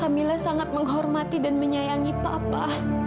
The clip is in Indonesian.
alhamdulillah sangat menghormati dan menyayangi papa